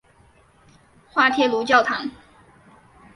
滑铁卢教堂。